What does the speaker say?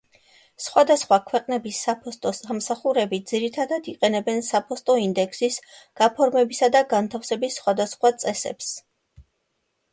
სხვადასხვა ქვეყნების საფოსტო სამსახურები ძირითადად იყენებენ საფოსტო ინდექსის გაფორმებისა და განთავსების სხვადასხვა წესებს.